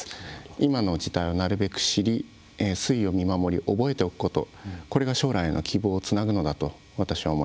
今の事態をなるべく知り推移を見守り覚えておくことこれが将来への希望をつなぐのだと私は思います。